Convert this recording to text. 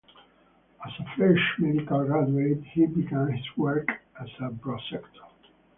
As a fresh medical graduate, he began his work as a prosector.